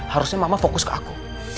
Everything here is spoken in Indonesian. harusnya mama fokus ke aku